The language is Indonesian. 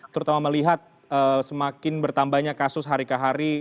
terutama melihat semakin bertambahnya kasus hari ke hari